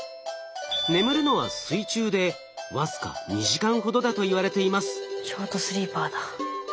眠るのは水中で僅か２時間ほどだといわれています。